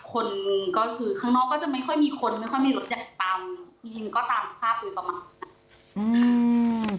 คนก็คือข้างนอกก็จะไม่ค่อยมีคนไม่ค่อยมีรถอยากตามมีก็ตามภาพด้วยประมาณนั้นอืม